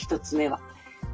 １つ目は。